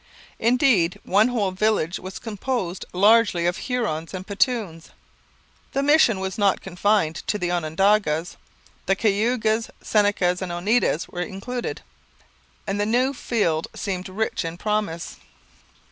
Indeed, one whole village was composed largely of Hurons and Petuns. The mission was not confined to the Onondagas; the Cayugas, Senecas, and Oneidas were included; and the new field seemed rich in promise.